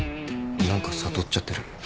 何か悟っちゃってる。